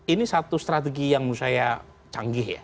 ini satu strategi yang menurut saya canggih ya